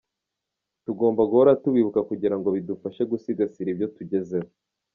Tugomba guhora tubibuka kugira ngo bidufashe gusigasira ibyo tugezeho.